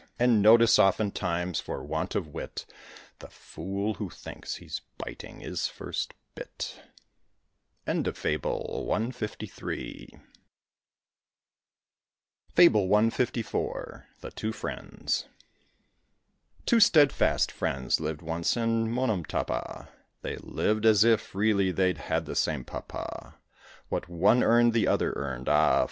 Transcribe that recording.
And notice, oftentimes, for want of wit, The fool, who thinks he's biting, is first bit. FABLE CLIV. THE TWO FRIENDS. Two steadfast Friends lived once in Monomtàpa; They loved as if really they'd had the same pàpa: What one earned the other earned. Ah!